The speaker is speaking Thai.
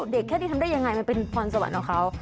แค่นี้ทำได้ยังไงมันเป็นพรสวรรค์ของเขา